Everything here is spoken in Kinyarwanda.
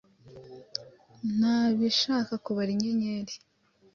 ntabishaka kubara inyenyeri